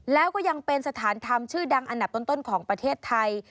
แล้วก็ยังเป็นสถานธรรมชื่อดังอันดับต้นของประเทศไทย